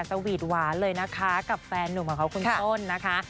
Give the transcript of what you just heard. สวีทหวานเลยนะคะกับแฟนหนุ่มของเขาคุณต้นนะคะ